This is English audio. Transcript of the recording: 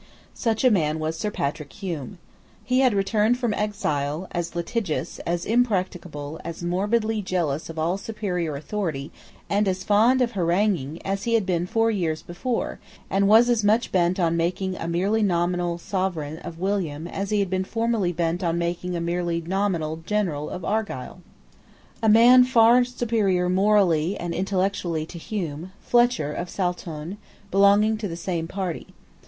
Such a man was Sir Patrick Hume. He had returned from exile, as litigious, as impracticable; as morbidly jealous of all superior authority, and as fond of haranguing, as he had been four years before, and was as much bent on making a merely nominal sovereign of William as he had formerly been bent on making a merely nominal general of Argyle, A man far superior morally and intellectually to Hume, Fletcher of Saltoun, belonged to the same party.